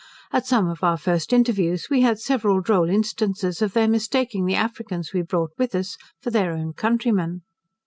At some of our first interviews, we had several droll instances of their mistaking the Africans we brought with us for their own countrymen.